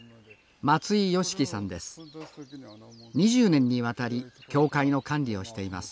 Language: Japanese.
２０年にわたり教会の管理をしています